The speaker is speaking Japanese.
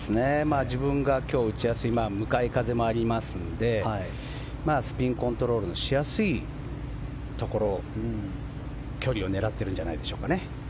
自分が今日、打ちやすい向かい風もありますのでスピンコントロールのしやすいところ距離を狙ってるんじゃないでしょうか。